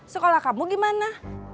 sekolah kamu gimana